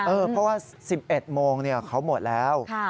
เพราะว่า๑๑โมงเขาหมดแล้ว